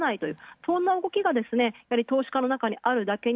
そんな動きが投資家の中にあるだけに